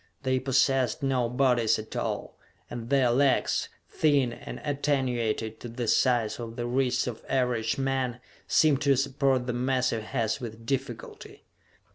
They possessed no bodies at all, and their legs, thin and attenuated to the size of the wrists of average men, seemed to support the massive heads with difficulty!